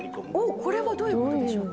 これはどういうことでしょうか。